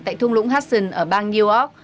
tại thung lũng hudson ở bang new york